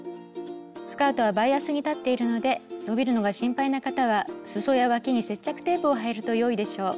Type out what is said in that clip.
スカートはバイアスに裁っているので伸びるのが心配な方はすそやわきに接着テープを貼るとよいでしょう。